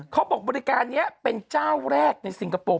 บริการนี้เป็นเจ้าแรกในสิงคโปร์